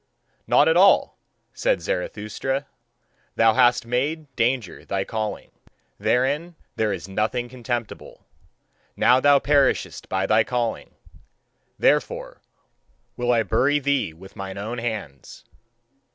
"Not at all," said Zarathustra, "thou hast made danger thy calling; therein there is nothing contemptible. Now thou perishest by thy calling: therefore will I bury thee with mine own hands."